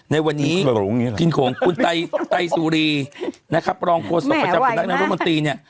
ในวันนี้กินโขงคุณไตยสุรีนะครับรองโพสตร์ประจำคุณรัฐนักนรมนตรีเนี่ย